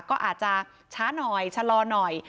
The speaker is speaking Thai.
ก็อาจจะช้าหน่อยชะลอหน่อย